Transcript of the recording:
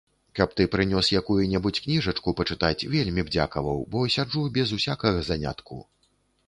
Каб ты прынёс якую-небудзь кніжачку пачытаць, вельмі б дзякаваў, бо сяджу без усякага занятку.